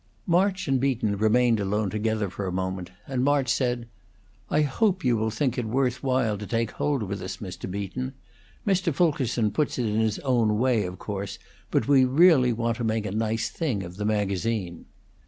March and Beaton remained alone together for a moment, and March said: "I hope you will think it worth while to take hold with us, Mr. Beaton. Mr. Fulkerson puts it in his own way, of course; but we really want to make a nice thing of the magazine."